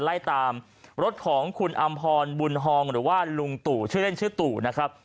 ไล่ตามรถของคุณอำพรบุญฮองหรือว่าลุงตู่ชื่อเล่นชื่อตู่นะครับ